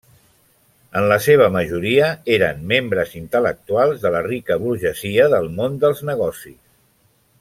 En la seva majoria, eren membres intel·lectuals de la rica burgesia del món dels negocis.